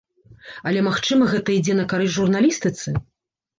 Але магчыма, гэта ідзе на карысць журналістыцы?